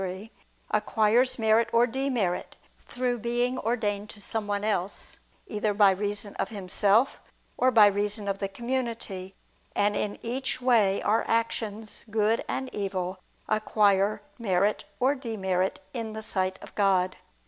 3), acquires merit or demerit, through being ordained to someone else, either by reason of himself, or by reason of the community: and in each way, our actions, good and evil, acquire merit or demerit, in the sight of God.